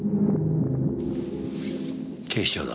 警視庁だ。